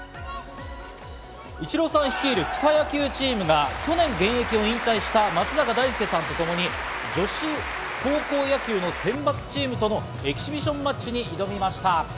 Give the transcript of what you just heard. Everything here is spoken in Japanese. イチローさん率いる草野球チームが去年、現役を引退した松坂大輔さんとともに女子高校野球の選抜チームとのエキシビションマッチに挑みました。